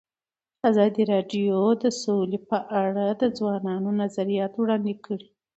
ازادي راډیو د سوله په اړه د ځوانانو نظریات وړاندې کړي.